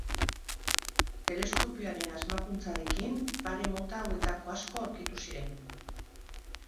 Teleskopioaren asmakuntzarekin pare mota hauetako asko aurkitu ziren.